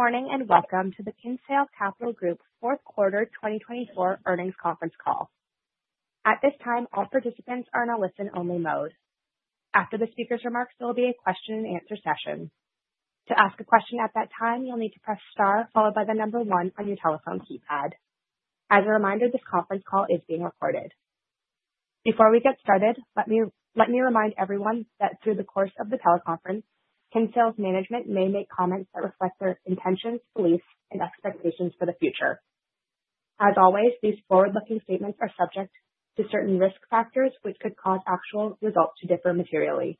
Good morning and welcome to the Kinsale Capital Group's fourth quarter 2024 earnings conference call. At this time, all participants are in a listen-only mode. After the speaker's remarks, there will be a question-and-answer session. To ask a question at that time, you'll need to press star followed by the number one on your telephone keypad. As a reminder, this conference call is being recorded. Before we get started, let me remind everyone that through the course of the teleconference, Kinsale's management may make comments that reflect their intentions, beliefs, and expectations for the future. As always, these forward-looking statements are subject to certain risk factors, which could cause actual results to differ materially.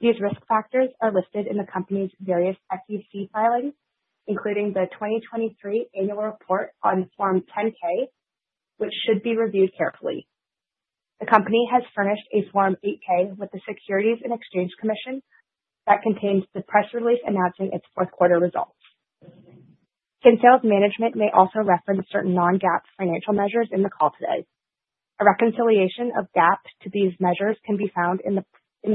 These risk factors are listed in the company's various SEC filings, including the 2023 annual report on Form 10-K, which should be reviewed carefully. The company has furnished a Form 8-K with the Securities and Exchange Commission that contains the press release announcing its fourth quarter results. Kinsale's management may also reference certain non-GAAP financial measures in the call today. A reconciliation of GAAP to these measures can be found in the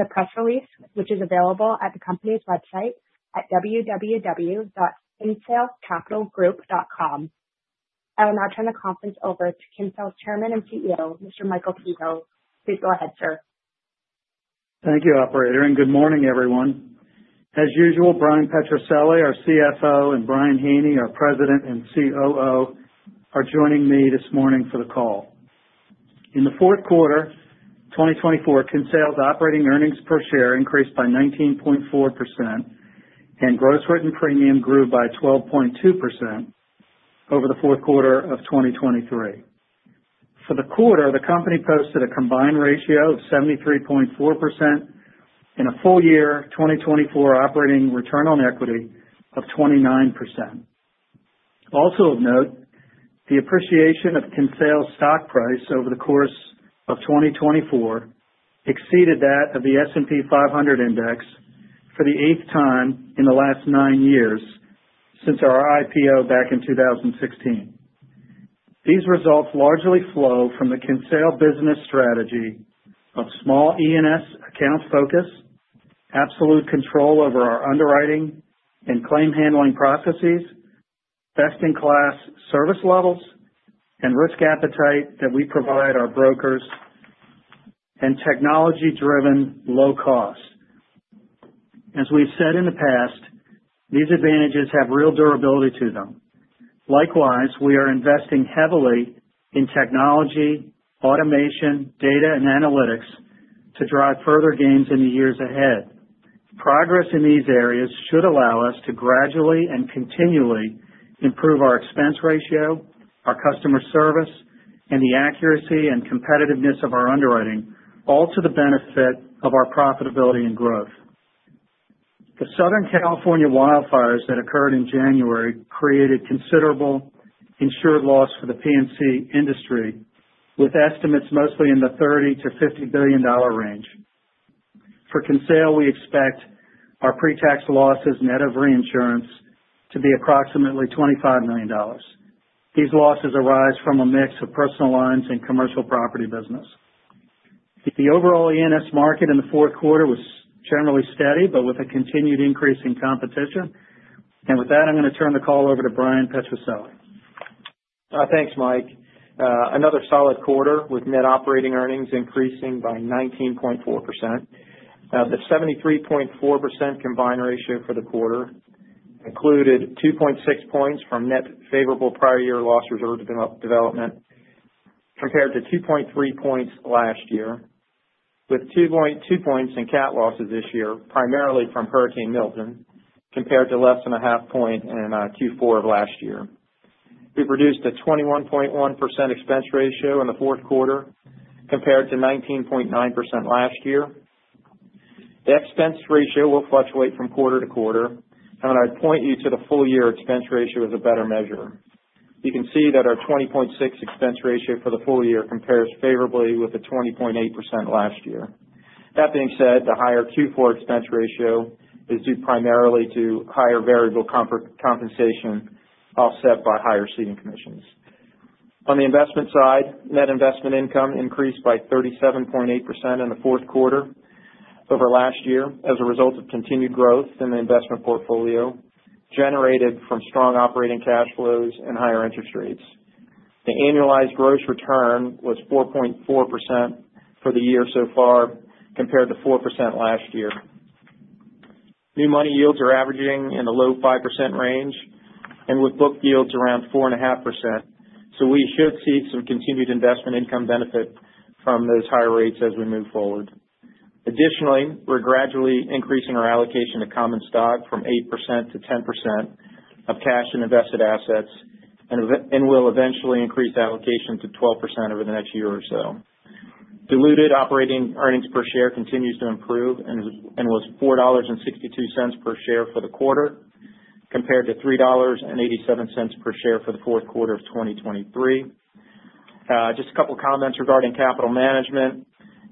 press release, which is available at the company's website at www.kinsalecapitalgroup.com. I will now turn the conference over to Kinsale's Chairman and CEO, Mr. Michael Kehoe. Please go ahead, sir. Thank you, Operator, and good morning, everyone. As usual, Bryan Petrucelli, our CFO, and Brian Haney, our President and COO, are joining me this morning for the call. In the fourth quarter 2024, Kinsale's operating earnings per share increased by 19.4%, and gross written premium grew by 12.2% over the fourth quarter of 2023. For the quarter, the company posted a combined ratio of 73.4% and a full-year 2024 operating return on equity of 29%. Also of note, the appreciation of Kinsale's stock price over the course of 2024 exceeded that of the S&P 500 Index for the eighth time in the last nine years since our IPO back in 2016. These results largely flow from the Kinsale business strategy of small E&S account focus, absolute control over our underwriting and claim handling processes, best-in-class service levels, and risk appetite that we provide our brokers, and technology-driven low cost. As we've said in the past, these advantages have real durability to them. Likewise, we are investing heavily in technology, automation, data, and analytics to drive further gains in the years ahead. Progress in these areas should allow us to gradually and continually improve our expense ratio, our customer service, and the accuracy and competitiveness of our underwriting, all to the benefit of our profitability and growth. The Southern California wildfires that occurred in January created considerable insured loss for the P&C industry, with estimates mostly in the $30-$50 billion range. For Kinsale, we expect our pre-tax losses net of reinsurance to be approximately $25 million. These losses arise from a mix of personal lines and commercial property business. The overall E&S market in the fourth quarter was generally steady, but with a continued increase in competition. With that, I'm going to turn the call over to Bryan Petrucelli. Thanks, Mike. Another solid quarter with net operating earnings increasing by 19.4%. The 73.4% combined ratio for the quarter included 2.6 points from net favorable prior-year loss reserve development, compared to 2.3 points last year, with 2 points in cat losses this year, primarily from Hurricane Milton, compared to less than a half point in Q4 of last year. We produced a 21.1% expense ratio in the fourth quarter, compared to 19.9% last year. The expense ratio will fluctuate from quarter to quarter, and I'd point you to the full-year expense ratio as a better measure. You can see that our 20.6% expense ratio for the full year compares favorably with the 20.8% last year. That being said, the higher Q4 expense ratio is due primarily to higher variable compensation offset by higher ceding commissions. On the investment side, net investment income increased by 37.8% in the fourth quarter over last year as a result of continued growth in the investment portfolio generated from strong operating cash flows and higher interest rates. The annualized gross return was 4.4% for the year so far, compared to 4% last year. New money yields are averaging in the low 5% range and with book yields around 4.5%. So we should see some continued investment income benefit from those higher rates as we move forward. Additionally, we're gradually increasing our allocation to common stock from 8% to 10% of cash and invested assets and will eventually increase allocation to 12% over the next year or so. Diluted operating earnings per share continues to improve and was $4.62 per share for the quarter, compared to $3.87 per share for the fourth quarter of 2023. Just a couple of comments regarding capital management.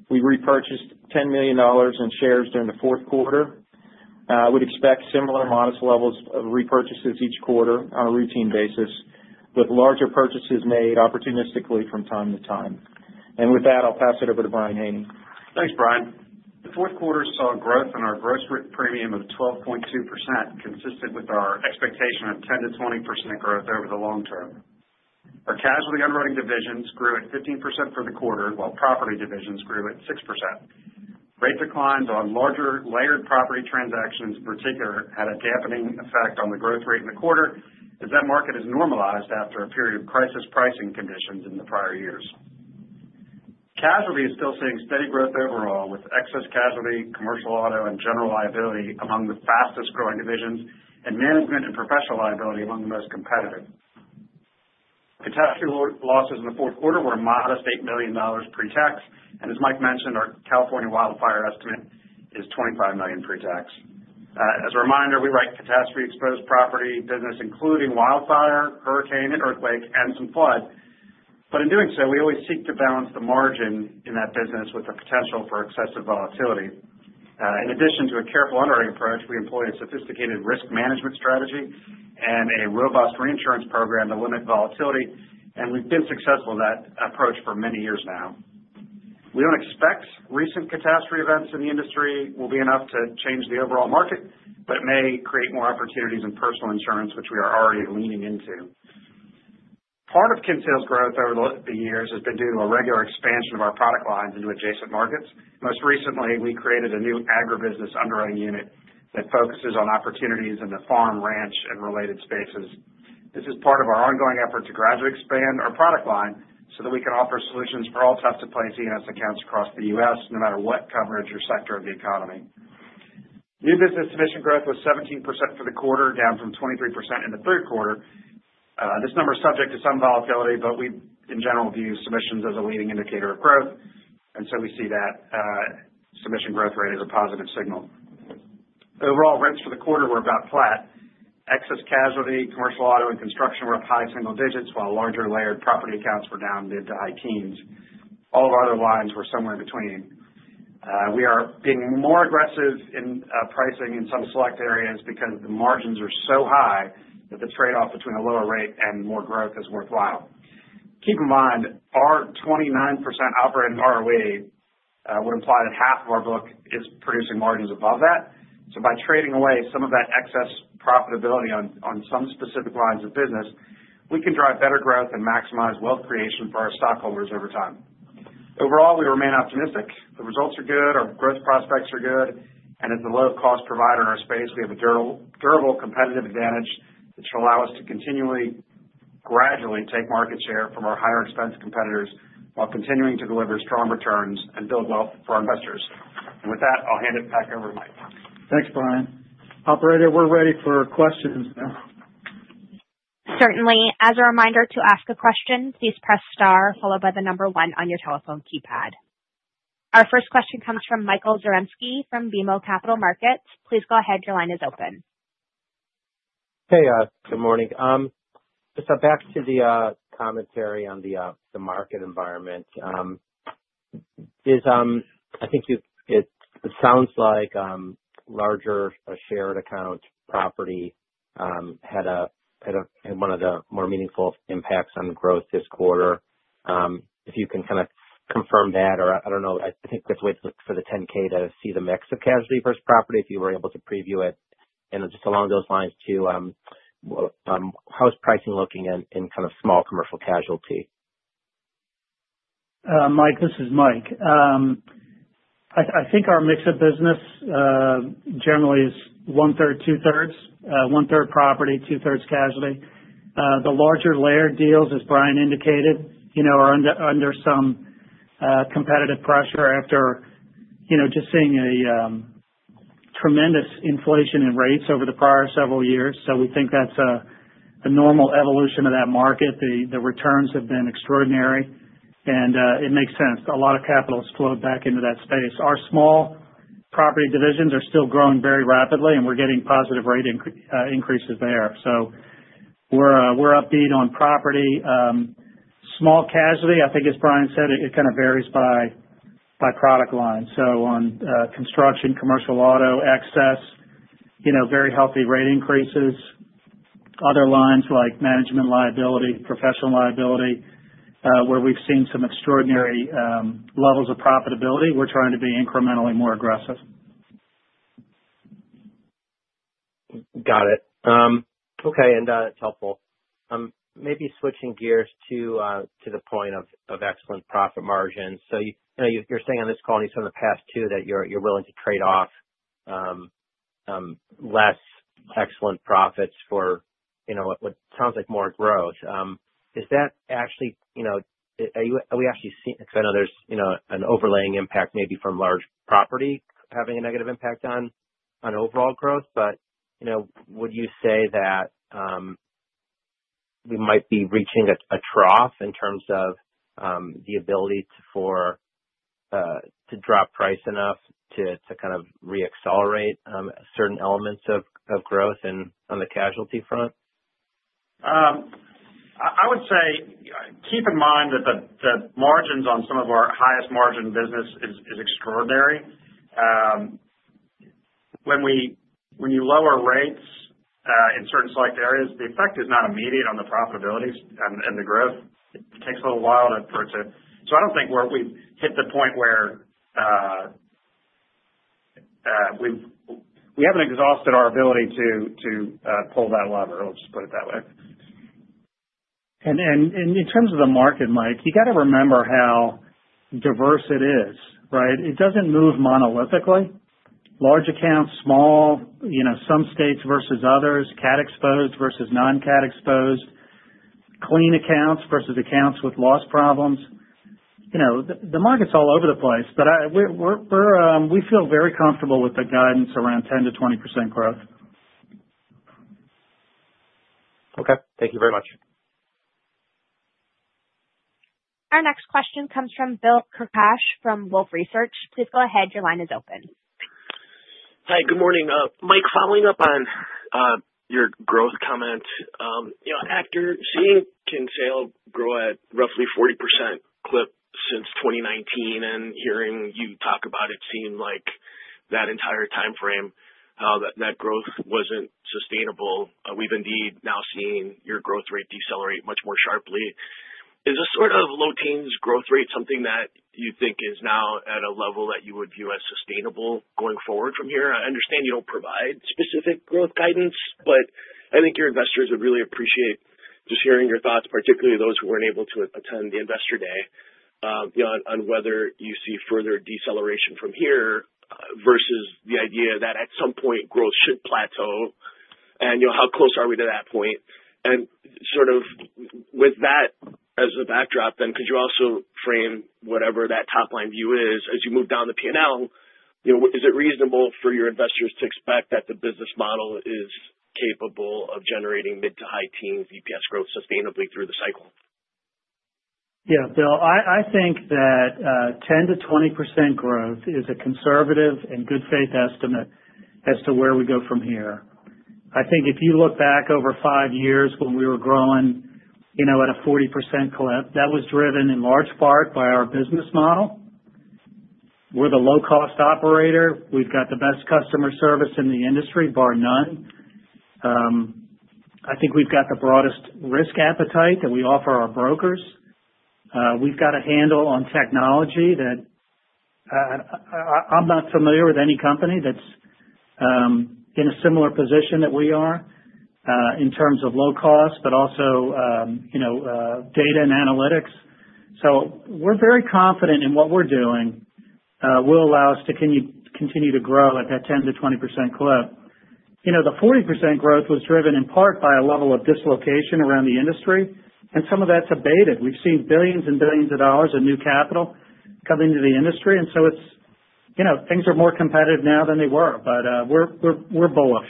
We repurchased $10 million in shares during the fourth quarter. We'd expect similar modest levels of repurchases each quarter on a routine basis, with larger purchases made opportunistically from time to time. And with that, I'll pass it over to Brian Haney. Thanks, Brian. The fourth quarter saw growth in our gross written premium of 12.2%, consistent with our expectation of 10%-20% growth over the long term. Our casualty underwriting divisions grew at 15% for the quarter, while property divisions grew at 6%. Rate declines on larger layered property transactions in particular had a dampening effect on the growth rate in the quarter as that market has normalized after a period of crisis pricing conditions in the prior years. Casualty is still seeing steady growth overall, with excess casualty, commercial auto, and general liability among the fastest growing divisions, and management and professional liability among the most competitive. Catastrophe losses in the fourth quarter were a modest $8 million pre-tax, and as Mike mentioned, our California wildfire estimate is $25 million pre-tax. As a reminder, we write catastrophe-exposed property business, including wildfire, hurricane, and earthquake, and some flood. But in doing so, we always seek to balance the margin in that business with the potential for excessive volatility. In addition to a careful underwriting approach, we employ a sophisticated risk management strategy and a robust reinsurance program to limit volatility, and we've been successful in that approach for many years now. We don't expect recent catastrophe events in the industry will be enough to change the overall market, but it may create more opportunities in personal insurance, which we are already leaning into. Part of Kinsale's growth over the years has been due to a regular expansion of our product lines into adjacent markets. Most recently, we created a new Agribusiness underwriting unit that focuses on opportunities in the farm, ranch, and related spaces. This is part of our ongoing effort to gradually expand our product line so that we can offer solutions for all types of planned E&S accounts across the U.S., no matter what coverage or sector of the economy. New business submission growth was 17% for the quarter, down from 23% in the third quarter. This number is subject to some volatility, but we, in general, view submissions as a leading indicator of growth, and so we see that submission growth rate as a positive signal. Overall, rates for the quarter were about flat. Excess casualty, commercial auto, and construction were up high single digits, while larger layered property accounts were down mid to high teens. All of our other lines were somewhere in between. We are being more aggressive in pricing in some select areas because the margins are so high that the trade-off between a lower rate and more growth is worthwhile. Keep in mind, our 29% operating ROE would imply that half of our book is producing margins above that. So by trading away some of that excess profitability on some specific lines of business, we can drive better growth and maximize wealth creation for our stockholders over time. Overall, we remain optimistic. The results are good, our growth prospects are good, and as a low-cost provider in our space, we have a durable competitive advantage that should allow us to continually gradually take market share from our higher expense competitors while continuing to deliver strong returns and build wealth for our investors. And with that, I'll hand it back over to Mike. Thanks, Brian. Operator, we're ready for questions now. Certainly. As a reminder to ask a question, please press star followed by the number one on your telephone keypad. Our first question comes from Michael Zaremski from BMO Capital Markets. Please go ahead. Your line is open. Hey, good morning. Just back to the commentary on the market environment. I think it sounds like larger shared account property had one of the more meaningful impacts on growth this quarter. If you can kind of confirm that, or I don't know, I think that's the way to look for the 10-K to see the mix of casualty versus property if you were able to preview it, and just along those lines too, how is pricing looking in kind of small commercial casualty? Mike, this is Mike. I think our mix of business generally is one-third, two-thirds. One-third property, two-thirds casualty. The larger layered deals, as Brian indicated, are under some competitive pressure after just seeing a tremendous inflation in rates over the prior several years. So we think that's a normal evolution of that market. The returns have been extraordinary, and it makes sense. A lot of capital has flowed back into that space. Our small property divisions are still growing very rapidly, and we're getting positive rate increases there. So we're upbeat on property. Small casualty, I think, as Brian said, it kind of varies by product line. So on construction, commercial auto, excess, very healthy rate increases. Other lines like management liability, professional liability, where we've seen some extraordinary levels of profitability, we're trying to be incrementally more aggressive. Got it. Okay, and that's helpful. Maybe switching gears to the point of excellent profit margins. So you're saying on this call, and you said in the past too, that you're willing to trade off less excellent profits for what sounds like more growth. Is that actually, are we actually seeing, because I know there's an overlaying impact maybe from large property having a negative impact on overall growth, but would you say that we might be reaching a trough in terms of the ability to drop price enough to kind of re-accelerate certain elements of growth on the casualty front? I would say keep in mind that the margins on some of our highest margin business is extraordinary. When you lower rates in certain select areas, the effect is not immediate on the profitability and the growth. It takes a little while for it to, so I don't think we've hit the point where we haven't exhausted our ability to pull that lever. Let's just put it that way. In terms of the market, Mike, you got to remember how diverse it is, right? It doesn't move monolithically. Large accounts, small, some states versus others, cat exposed versus non-cat exposed, clean accounts versus accounts with loss problems. The market's all over the place, but we feel very comfortable with the guidance around 10%-20% growth. Okay. Thank you very much. Our next question comes from Bill Carcache from Wolfe Research. Please go ahead. Your line is open. Hi, good morning. Mike, following up on your growth comment, after seeing Kinsale grow at roughly 40% clip since 2019 and hearing you talk about it seem like that entire time frame, that growth wasn't sustainable, we've indeed now seen your growth rate decelerate much more sharply. Is a sort of low-teens growth rate something that you think is now at a level that you would view as sustainable going forward from here? I understand you don't provide specific growth guidance, but I think your investors would really appreciate just hearing your thoughts, particularly those who weren't able to attend the investor day, on whether you see further deceleration from here versus the idea that at some point growth should plateau and how close are we to that point? Sort of with that as a backdrop, then could you also frame whatever that top line view is as you move down the P&L? Is it reasonable for your investors to expect that the business model is capable of generating mid- to high-teens EPS growth sustainably through the cycle? Yeah, Bill, I think that 10%-20% growth is a conservative and good faith estimate as to where we go from here. I think if you look back over five years when we were growing at a 40% clip, that was driven in large part by our business model. We're the low-cost operator. We've got the best customer service in the industry, bar none. I think we've got the broadest risk appetite that we offer our brokers. We've got a handle on technology that I'm not familiar with any company that's in a similar position that we are in terms of low cost, but also data and analytics. So we're very confident in what we're doing will allow us to continue to grow at that 10%-20% clip. The 40% growth was driven in part by a level of dislocation around the industry, and some of that's abated. We've seen billions and billions of dollars of new capital come into the industry, and so things are more competitive now than they were. But we're bullish.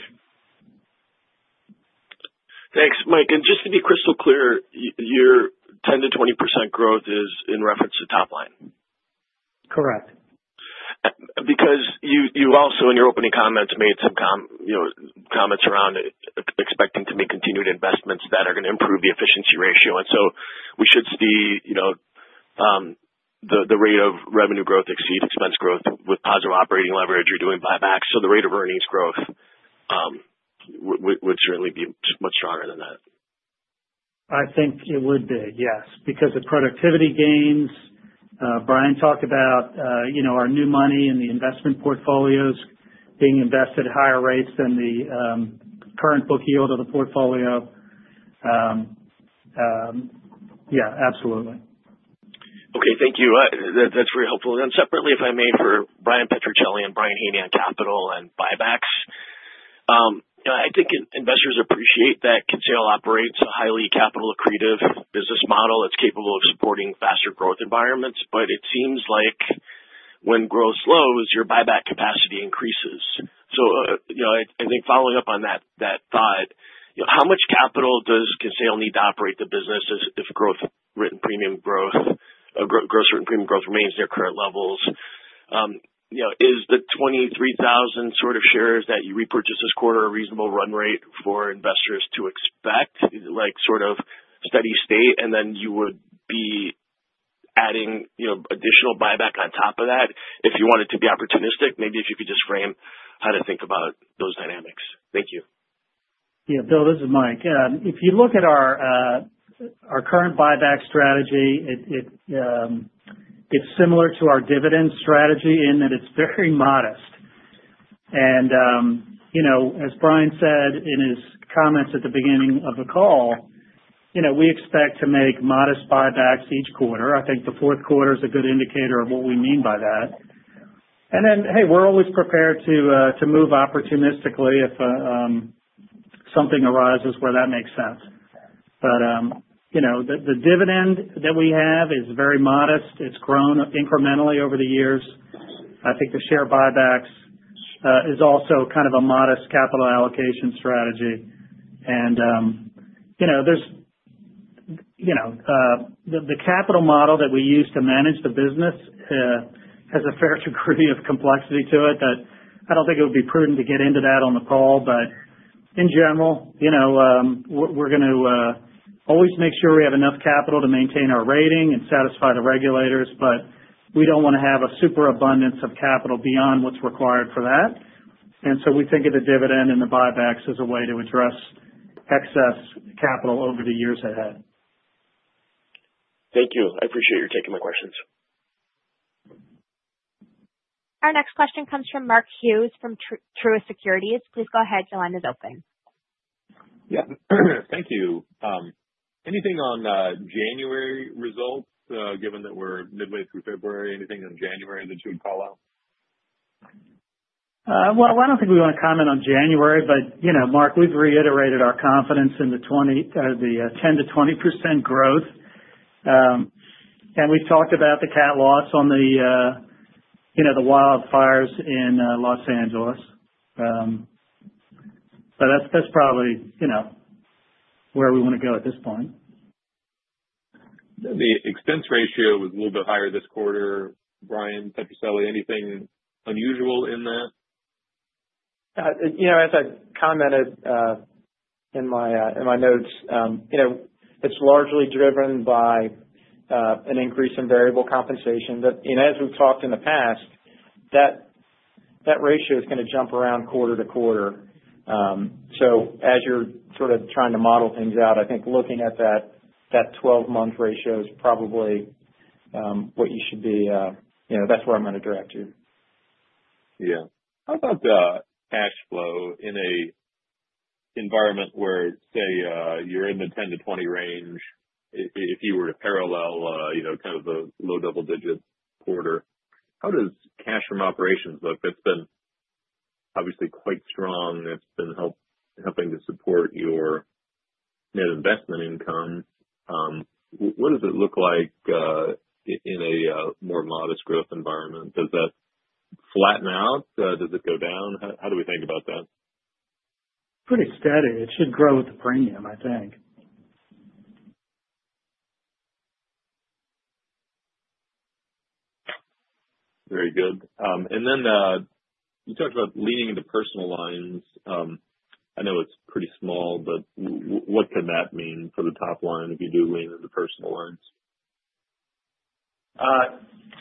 Thanks, Mike. And just to be crystal clear, your 10%-20% growth is in reference to top line? Correct. Because you also, in your opening comments, made some comments around expecting to make continued investments that are going to improve the efficiency ratio. And so we should see the rate of revenue growth exceed expense growth with positive operating leverage or doing buybacks. So the rate of earnings growth would certainly be much stronger than that. I think it would be, yes, because of productivity gains. Brian talked about our new money and the investment portfolios being invested at higher rates than the current book yield of the portfolio. Yeah, absolutely. Okay, thank you. That's very helpful. And then separately, if I may, for Bryan Petrucelli and Brian Haney on capital and buybacks. I think investors appreciate that Kinsale operates a highly capital-accretive business model that's capable of supporting faster growth environments, but it seems like when growth slows, your buyback capacity increases. So I think following up on that thought, how much capital does Kinsale need to operate the business if written premium growth remains near current levels? Is the 23,000 sort of shares that you repurchased this quarter a reasonable run rate for investors to expect, like sort of steady state, and then you would be adding additional buyback on top of that if you wanted to be opportunistic? Maybe if you could just frame how to think about those dynamics. Thank you. Yeah, Bill, this is Mike. If you look at our current buyback strategy, it's similar to our dividend strategy in that it's very modest. And as Brian said in his comments at the beginning of the call, we expect to make modest buybacks each quarter. I think the fourth quarter is a good indicator of what we mean by that. And then, hey, we're always prepared to move opportunistically if something arises where that makes sense. But the dividend that we have is very modest. It's grown incrementally over the years. I think the share buybacks is also kind of a modest capital allocation strategy. And the capital model that we use to manage the business has a fair degree of complexity to it that I don't think it would be prudent to get into that on the call. But in general, we're going to always make sure we have enough capital to maintain our rating and satisfy the regulators, but we don't want to have a super abundance of capital beyond what's required for that. And so we think of the dividend and the buybacks as a way to address excess capital over the years ahead. Thank you. I appreciate your taking my questions. Our next question comes from Mark Hughes from Truist Securities. Please go ahead. Your line is open. Yeah. Thank you. Anything on January results, given that we're midway through February? Anything in January that you would call out? I don't think we want to comment on January, but Mark, we've reiterated our confidence in the 10%-20% growth, and we've talked about the cat loss on the wildfires in Los Angeles, so that's probably where we want to go at this point. The expense ratio was a little bit higher this quarter. Bryan Petrucelli, anything unusual in that? As I commented in my notes, it's largely driven by an increase in variable compensation. As we've talked in the past, that ratio is going to jump around quarter to quarter. So as you're sort of trying to model things out, I think looking at that 12-month ratio is probably what you should be. That's where I'm going to direct you. Yeah. How about cash flow in an environment where, say, you're in the 10%-20% range? If you were to parallel kind of the low double-digit quarter, how does cash from operations look? It's been obviously quite strong. It's been helping to support your net investment income. What does it look like in a more modest growth environment? Does that flatten out? Does it go down? How do we think about that? Pretty steady. It should grow with the premium, I think. Very good. And then you talked about leaning into personal lines. I know it's pretty small, but what could that mean for the top line if you do lean into personal lines?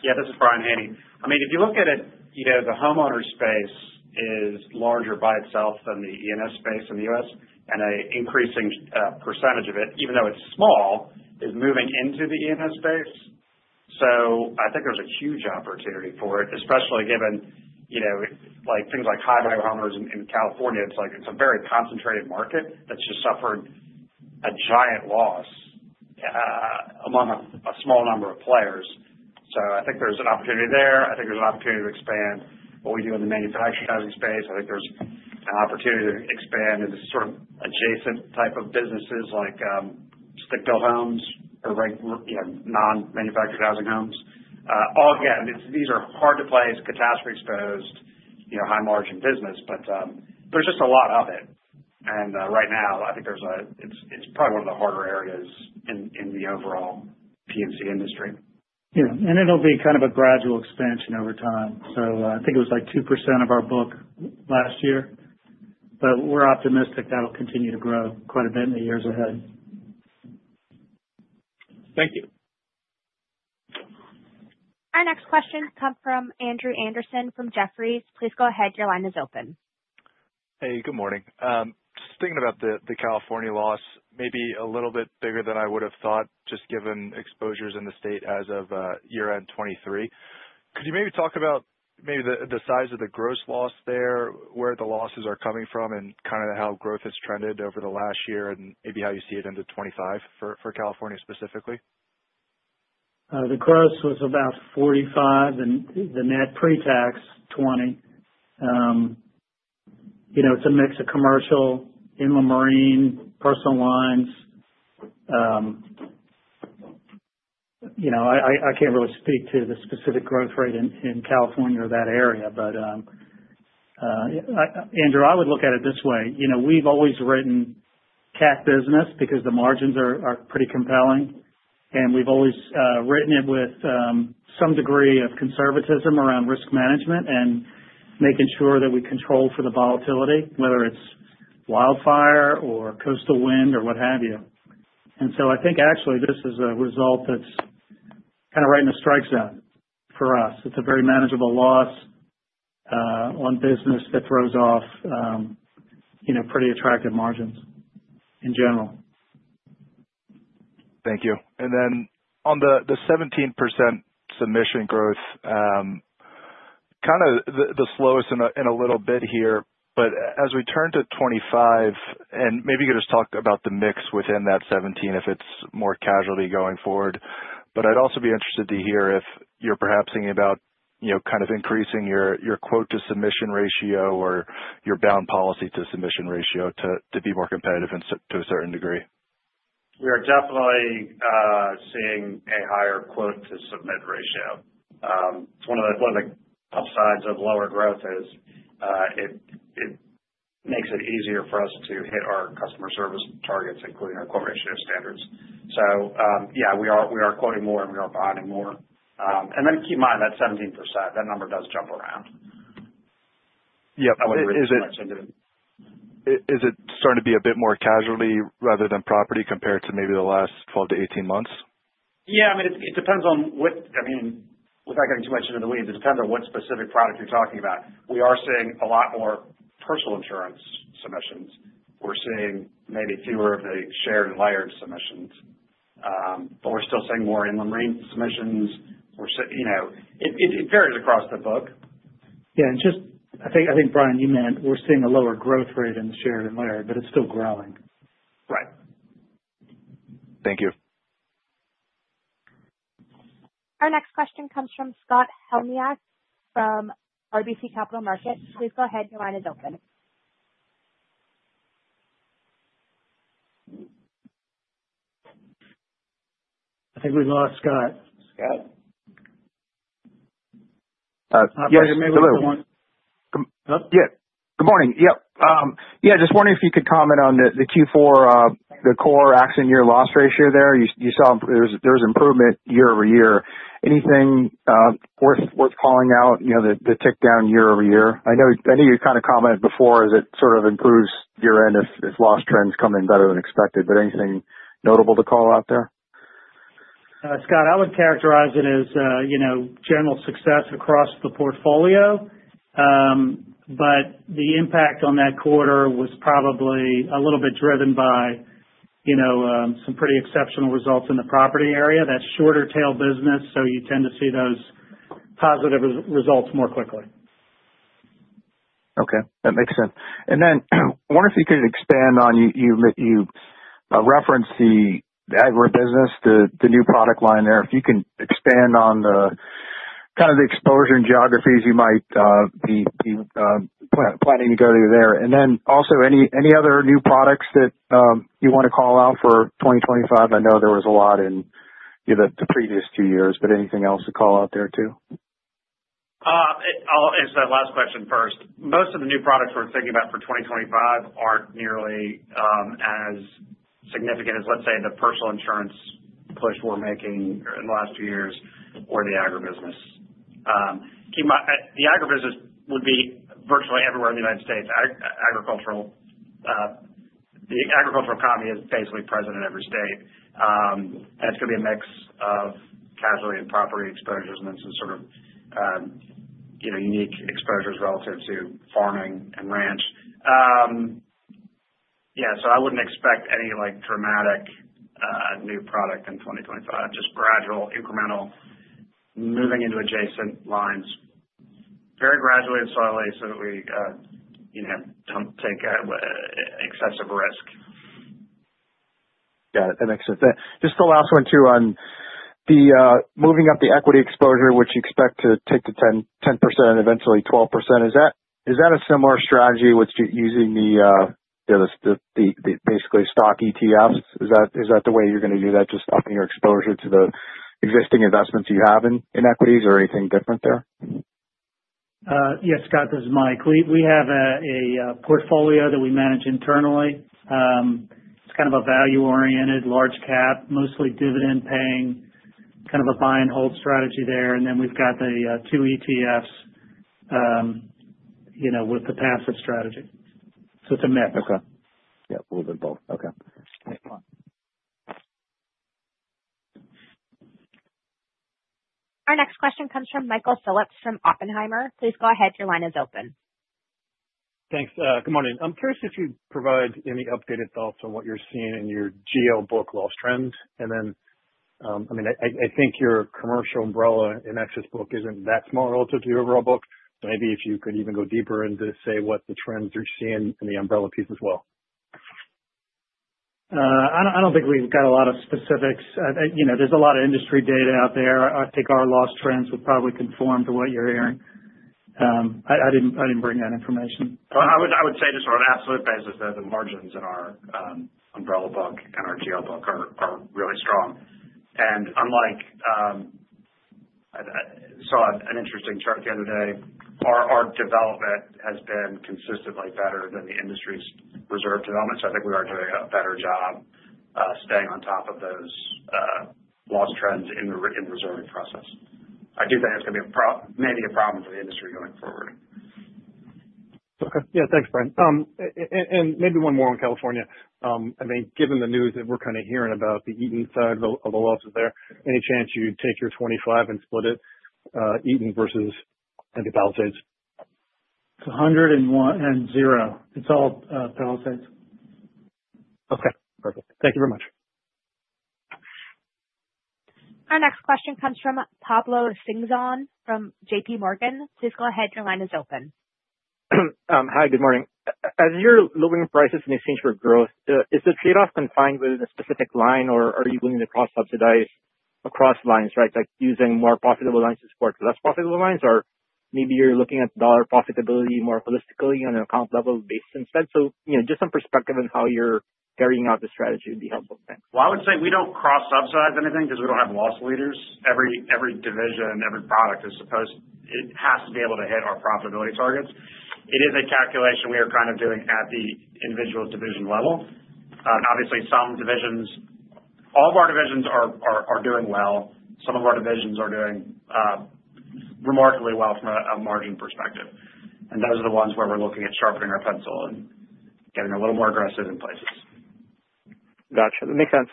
Yeah, this is Brian Haney. I mean, if you look at it, the homeowner space is larger by itself than the E&S space in the U.S., and an increasing percentage of it, even though it's small, is moving into the E&S space. So I think there's a huge opportunity for it, especially given things like high-value homeowners in California. It's a very concentrated market that's just suffered a giant loss among a small number of players. So I think there's an opportunity there. I think there's an opportunity to expand what we do in the manufactured housing space. I think there's an opportunity to expand into sort of adjacent type of businesses like stick-built homes or non-manufactured housing homes. Again, these are hard to play. It's a catastrophe-exposed, high-margin business, but there's just a lot of it. Right now, I think it's probably one of the harder areas in the overall P&C industry. Yeah. And it'll be kind of a gradual expansion over time. So I think it was like 2% of our book last year, but we're optimistic that'll continue to grow quite a bit in the years ahead. Thank you. Our next questions come from Andrew Andersen from Jefferies. Please go ahead. Your line is open. Hey, good morning. Just thinking about the California loss, maybe a little bit bigger than I would have thought, just given exposures in the state as of year-end 2023. Could you maybe talk about maybe the size of the gross loss there, where the losses are coming from, and kind of how growth has trended over the last year, and maybe how you see it into 2025 for California specifically? The gross was about 45, and the net pre-tax 20. It's a mix of commercial, inland marine, personal lines. I can't really speak to the specific growth rate in California or that area, but Andrew, I would look at it this way. We've always written cat business because the margins are pretty compelling, and we've always written it with some degree of conservatism around risk management and making sure that we control for the volatility, whether it's wildfire or coastal wind or what have you. And so I think actually this is a result that's kind of right in the strike zone for us. It's a very manageable loss on business that throws off pretty attractive margins in general. Thank you. And then on the 17% submission growth, kind of the slowest in a little bit here, but as we turn to 2025, and maybe you could just talk about the mix within that 17 if it's more casualty going forward, but I'd also be interested to hear if you're perhaps thinking about kind of increasing your quote-to-submission ratio or your bound policy-to-submission ratio to be more competitive to a certain degree. We are definitely seeing a higher quote-to-submit ratio. One of the upsides of lower growth is it makes it easier for us to hit our customer service targets, including our quote ratio standards. So yeah, we are quoting more, and we are buying more. And then keep in mind that 17%, that number does jump around. Yep. Is it starting to be a bit more casualty rather than property compared to maybe the last 12-18 months? Yeah. I mean, it depends on what I mean, without getting too much into the weeds, it depends on what specific product you're talking about. We are seeing a lot more personal insurance submissions. We're seeing maybe fewer of the shared and layered submissions, but we're still seeing more in the marine submissions. It varies across the book. Yeah. And just, I think, Brian, you meant we're seeing a lower growth rate in the shared and layered, but it's still growing. Right. Thank you. Our next question comes from Scott Heleniak from RBC Capital Markets. Please go ahead. Your line is open. I think we lost Scott. Scott. It's not. Yeah. Good morning. Good morning. Just wondering if you could comment on the Q4, the calendar year loss ratio there. You saw there was improvement year over year. Anything worth calling out? The tick down year over year. I know you kind of commented before as it sort of improves year end if loss trends come in better than expected, but anything notable to call out there? Scott, I would characterize it as general success across the portfolio, but the impact on that quarter was probably a little bit driven by some pretty exceptional results in the property area. That's shorter-tail business, so you tend to see those positive results more quickly. Okay. That makes sense. And then I wonder if you could expand on you referenced the Agribusiness, the new product line there. If you can expand on kind of the exposure and geographies you might be planning to go to there. And then also any other new products that you want to call out for 2025? I know there was a lot in the previous two years, but anything else to call out there too? I'll answer that last question first. Most of the new products we're thinking about for 2025 aren't nearly as significant as, let's say, the personal insurance push we're making in the last two years or the Agribusiness. The Agribusiness would be virtually everywhere in the United States. The agricultural economy is basically present in every state. That's going to be a mix of casualty and property exposures and then some sort of unique exposures relative to farming and ranch. Yeah. So I wouldn't expect any dramatic new product in 2025. Just gradual, incremental, moving into adjacent lines. Very gradually and slowly so that we don't take excessive risk. Got it. That makes sense. Just the last one too on moving up the equity exposure, which you expect to take to 10% and eventually 12%. Is that a similar strategy with using the basically stock ETFs? Is that the way you're going to do that, just upping your exposure to the existing investments you have in equities or anything different there? Yes, Scott, this is Mike. We have a portfolio that we manage internally. It's kind of a value-oriented, large cap, mostly dividend-paying, kind of a buy-and-hold strategy there. And then we've got the two ETFs with the passive strategy. So it's a mix. Okay. Yeah. A little bit of both. Okay. Our next question comes from Michael Phillips from Oppenheimer. Please go ahead. Your line is open. Thanks. Good morning. I'm curious if you'd provide any updated thoughts on what you're seeing in your GL book loss trends. And then, I mean, I think your commercial umbrella in E&S book isn't that small relative to your overall book. So maybe if you could even go deeper into say what the trends you're seeing in the umbrella piece as well. I don't think we've got a lot of specifics. There's a lot of industry data out there. I think our loss trends would probably conform to what you're hearing. I didn't bring that information. I would say on sort of an absolute basis that the margins in our umbrella book and our GL book are really strong. And I saw an interesting chart the other day. Our development has been consistently better than the industry's reserve development. So I think we are doing a better job staying on top of those loss trends in the reserve process. I do think it's going to be maybe a problem for the industry going forward. Okay. Yeah. Thanks, Brian. And maybe one more on California. I mean, given the news that we're kind of hearing about the Eaton side of the losses there, any chance you'd take your 25 and split it, Eaton versus the Palisades? It's 100 and 0. It's all Palisades. Okay. Perfect. Thank you very much. Our next question comes from Pablo Singzon from J.P. Morgan. Please go ahead. Your line is open. Hi. Good morning. As you're looking at prices in exchange for growth, is the trade-off confined within a specific line, or are you willing to cross-subsidize across lines, right, like using more profitable lines to support less profitable lines, or maybe you're looking at dollar profitability more holistically on an account level based instead? So just some perspective on how you're carrying out the strategy would be helpful. I would say we don't cross-subsidize anything because we don't have loss leaders. Every division, every product is supposed to have to be able to hit our profitability targets. It is a calculation we are kind of doing at the individual division level. Obviously, some divisions, all of our divisions are doing well. Some of our divisions are doing remarkably well from a margin perspective. And those are the ones where we're looking at sharpening our pencil and getting a little more aggressive in places. Gotcha. That makes sense.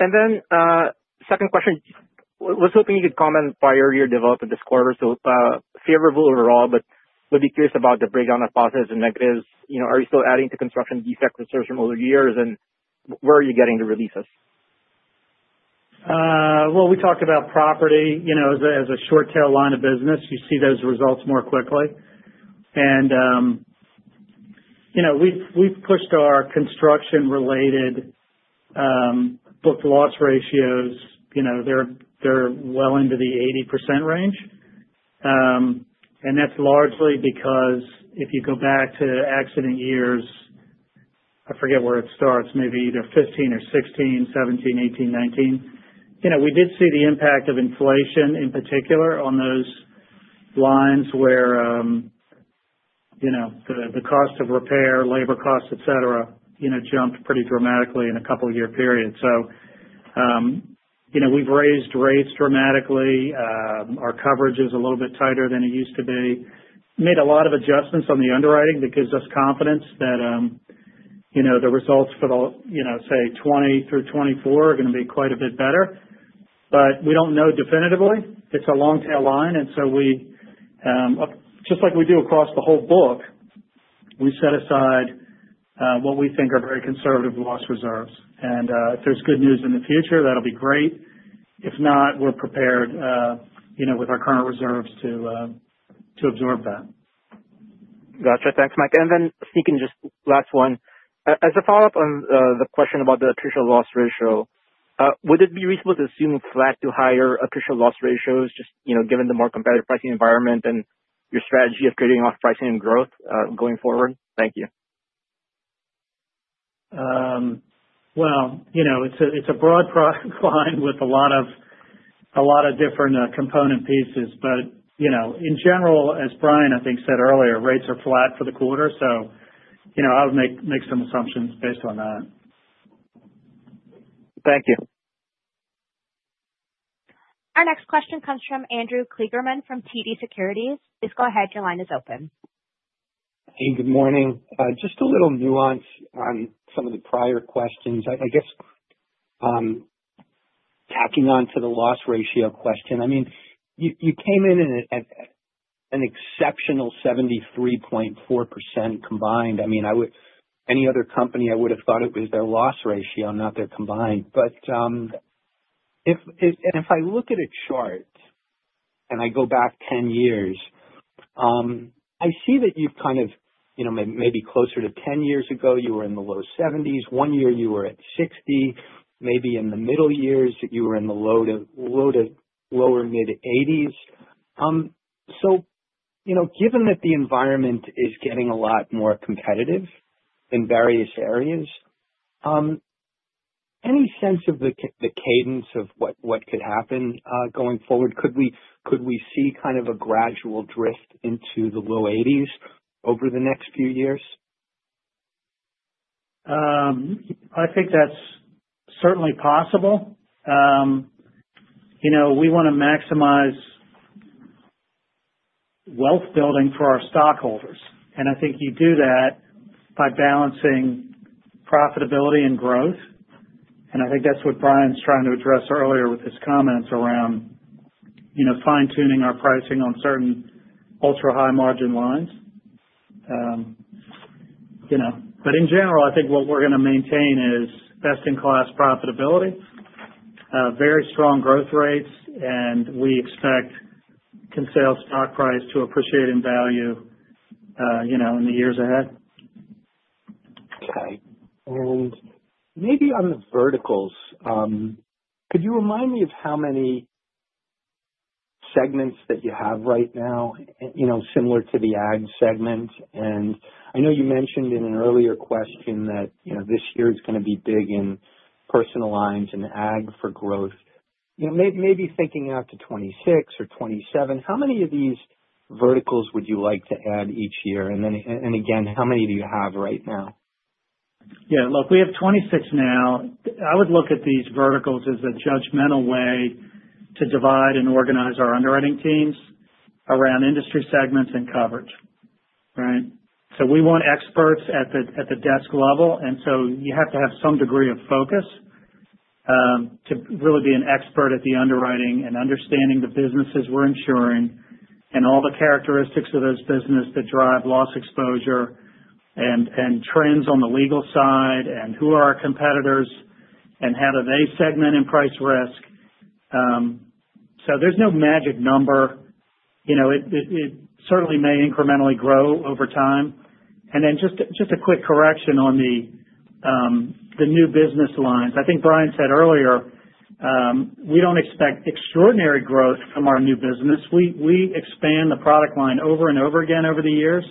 And then second question, was hoping you could comment on prior year development this quarter. So favorable overall, but would be curious about the breakdown of positives and negatives. Are you still adding to construction defects and such from older years, and where are you getting the releases? We talked about property. As a short-tail line of business, you see those results more quickly. And we've pushed our construction-related book loss ratios. They're well into the 80% range. And that's largely because if you go back to accident years, I forget where it starts, maybe either 2015 or 2016, 2017, 2018, 2019. We did see the impact of inflation in particular on those lines where the cost of repair, labor costs, etc., jumped pretty dramatically in a couple-year period. So we've raised rates dramatically. Our coverage is a little bit tighter than it used to be. Made a lot of adjustments on the underwriting that gives us confidence that the results for the, say, 2020 through 2024 are going to be quite a bit better. But we don't know definitively. It's a long-tail line. And so just like we do across the whole book, we set aside what we think are very conservative loss reserves. And if there's good news in the future, that'll be great. If not, we're prepared with our current reserves to absorb that. Gotcha. Thanks, Mike. And then speaking just last one, as a follow-up on the question about the attritional loss ratio, would it be reasonable to assume flat to higher attritional loss ratios just given the more competitive pricing environment and your strategy of trading off pricing and growth going forward? Thank you. It's a broad line with a lot of different component pieces. In general, as Brian, I think, said earlier, rates are flat for the quarter. I would make some assumptions based on that. Thank you. Our next question comes from Andrew Kligerman from TD Securities. Please go ahead. Your line is open. Hey, good morning. Just a little nuance on some of the prior questions. I guess tacking on to the loss ratio question. I mean, you came in at an exceptional 73.4% combined. I mean, any other company, I would have thought it was their loss ratio, not their combined. But if I look at a chart and I go back 10 years, I see that you've kind of maybe closer to 10 years ago, you were in the low 70s. One year, you were at 60. Maybe in the middle years, you were in the low to lower mid-80s. So given that the environment is getting a lot more competitive in various areas, any sense of the cadence of what could happen going forward? Could we see kind of a gradual drift into the low 80s over the next few years? I think that's certainly possible. We want to maximize wealth building for our stockholders. And I think you do that by balancing profitability and growth. And I think that's what Brian's trying to address earlier with his comments around fine-tuning our pricing on certain ultra-high margin lines. But in general, I think what we're going to maintain is best-in-class profitability, very strong growth rates, and we expect our stock price to appreciate in value in the years ahead. Okay. And maybe on the verticals, could you remind me of how many segments that you have right now similar to the ag segment? And I know you mentioned in an earlier question that this year is going to be big in personal lines and ag for growth. Maybe thinking out to 2026 or 2027, how many of these verticals would you like to add each year? And again, how many do you have right now? Yeah. Look, we have 2026 now. I would look at these verticals as a judgmental way to divide and organize our underwriting teams around industry segments and coverage, right? So we want experts at the desk level. And so you have to have some degree of focus to really be an expert at the underwriting and understanding the businesses we're insuring and all the characteristics of those businesses that drive loss exposure and trends on the legal side and who are our competitors and how do they segment and price risk. So there's no magic number. It certainly may incrementally grow over time. And then just a quick correction on the new business lines. I think Brian said earlier, we don't expect extraordinary growth from our new business. We expand the product line over and over again over the years,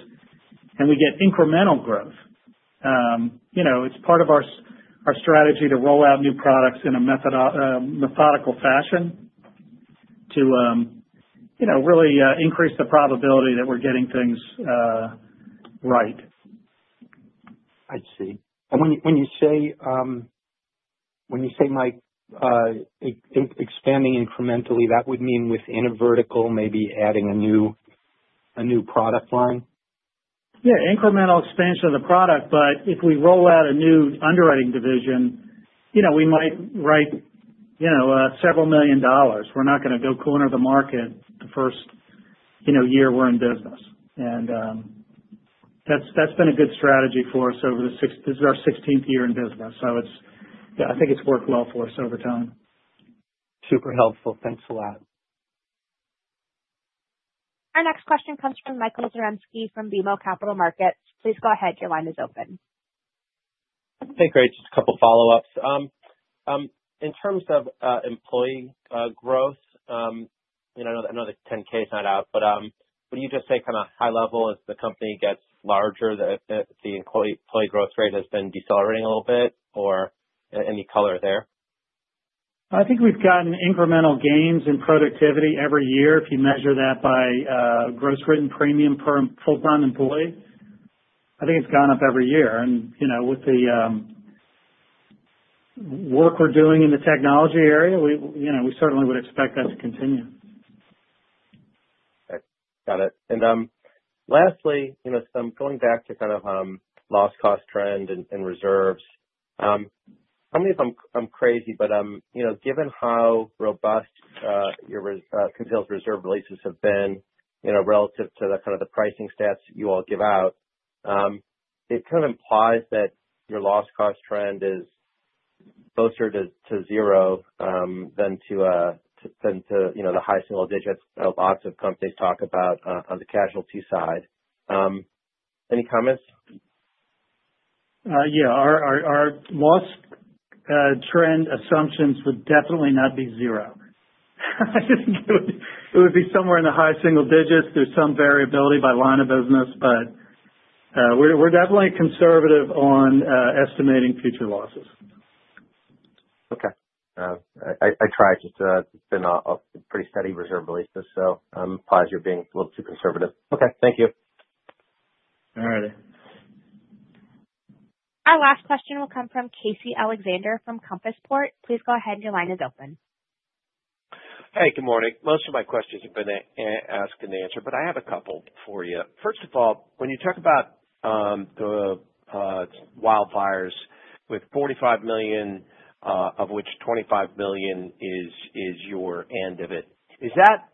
and we get incremental growth. It's part of our strategy to roll out new products in a methodical fashion to really increase the probability that we're getting things right. I see. And when you say, Mike, expanding incrementally, that would mean within a vertical, maybe adding a new product line? Yeah. Incremental expansion of the product, but if we roll out a new underwriting division, we might write several million dollars. We're not going to go whole hog into the market the first year we're in business, and that's been a good strategy for us over the six. This is our 16th year in business, so I think it's worked well for us over time. Super helpful. Thanks a lot. Our next question comes from Michael Zaremski from BMO Capital Markets. Please go ahead. Your line is open. Hey, great. Just a couple of follow-ups. In terms of employee growth, I know the 10-K is not out, but would you just say kind of high level as the company gets larger, the employee growth rate has been decelerating a little bit or any color there? I think we've gotten incremental gains in productivity every year. If you measure that by gross written premium per full-time employee, I think it's gone up every year, and with the work we're doing in the technology area, we certainly would expect that to continue. Got it. And lastly, going back to kind of loss cost trend and reserves, I don't mean if I'm crazy, but given how robust your favorable reserve releases have been relative to kind of the pricing stats you all give out, it kind of implies that your loss cost trend is closer to zero than to the high single digits lots of companies talk about on the casualty side. Any comments? Yeah. Our loss trend assumptions would definitely not be zero. I think it would be somewhere in the high single digits. There's some variability by line of business, but we're definitely conservative on estimating future losses. Okay. I tried just to spin off pretty steady reserve releases, so I'm positive you're being a little too conservative. Okay. Thank you. All righty. Our last question will come from Casey Alexander from Compass Point. Please go ahead. Your line is open. Hey, good morning. Most of my questions have been asked and answered, but I have a couple for you. First of all, when you talk about the wildfires with $45 million, of which $25 million is your end of it, is that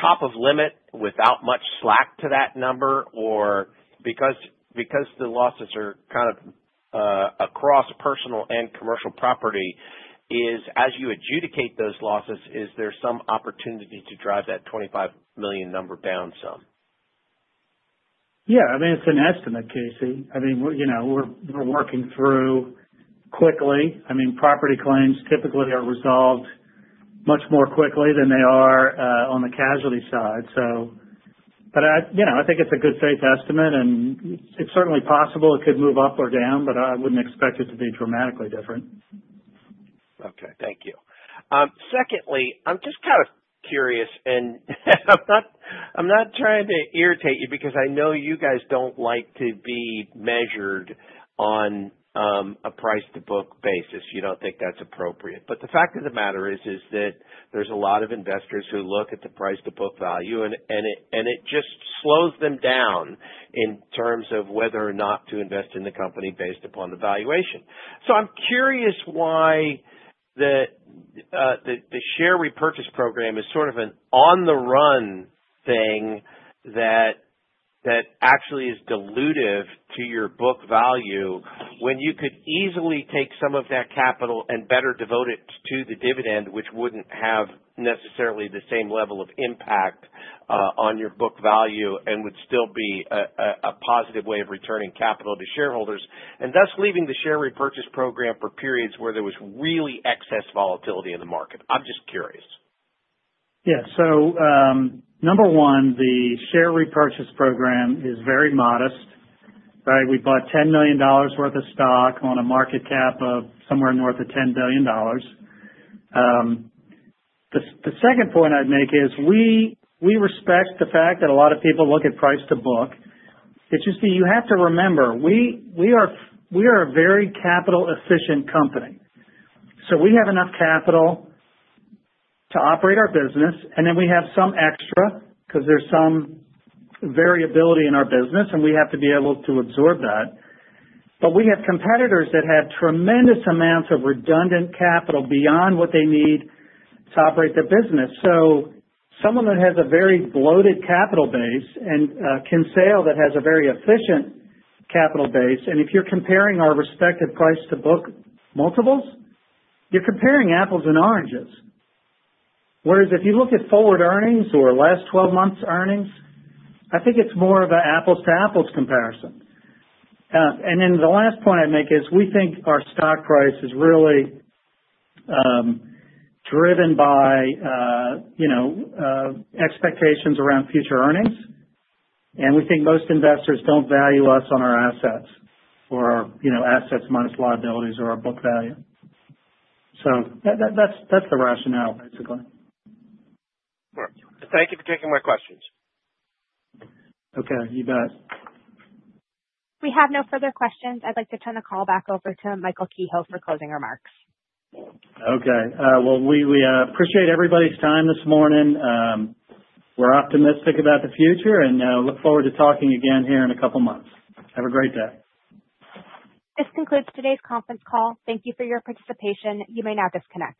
top of limit without much slack to that number? Or because the losses are kind of across personal and commercial property, as you adjudicate those losses, is there some opportunity to drive that $25 million number down some? Yeah. I mean, it's an estimate, Casey. I mean, we're working through quickly. I mean, property claims typically are resolved much more quickly than they are on the casualty side. But I think it's a good faith estimate, and it's certainly possible it could move up or down, but I wouldn't expect it to be dramatically different. Okay. Thank you. Secondly, I'm just kind of curious, and I'm not trying to irritate you because I know you guys don't like to be measured on a price-to-book basis. You don't think that's appropriate. But the fact of the matter is that there's a lot of investors who look at the price-to-book value, and it just slows them down in terms of whether or not to invest in the company based upon the valuation. So I'm curious why the share repurchase program is sort of an on-the-run thing that actually is dilutive to your book value when you could easily take some of that capital and better devote it to the dividend, which wouldn't have necessarily the same level of impact on your book value and would still be a positive way of returning capital to shareholders, and thus leaving the share repurchase program for periods where there was really excess volatility in the market. I'm just curious. Yeah. So number one, the share repurchase program is very modest. We bought $10 million worth of stock on a market cap of somewhere north of $10 billion. The second point I'd make is we respect the fact that a lot of people look at price-to-book. It's just that you have to remember, we are a very capital-efficient company. So we have enough capital to operate our business, and then we have some extra because there's some variability in our business, and we have to be able to absorb that. But we have competitors that have tremendous amounts of redundant capital beyond what they need to operate their business. So someone that has a very bloated capital base and someone that has a very efficient capital base, and if you're comparing our respective price-to-book multiples, you're comparing apples and oranges. Whereas if you look at forward earnings or last 12 months' earnings, I think it's more of an apples-to-apples comparison, and then the last point I'd make is we think our stock price is really driven by expectations around future earnings, and we think most investors don't value us on our assets or our assets minus liabilities or our book value, so that's the rationale, basically. Thank you for taking my questions. Okay. You bet. We have no further questions. I'd like to turn the call back over to Michael Kehoe for closing remarks. Okay. Well, we appreciate everybody's time this morning. We're optimistic about the future and look forward to talking again here in a couple of months. Have a great day. This concludes today's conference call. Thank you for your participation. You may now disconnect.